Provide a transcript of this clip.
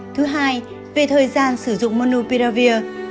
thứ hai về thời gian sử dụng monupiravir